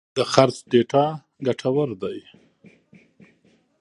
د خرڅ ډیټا څېړل ګټور دي.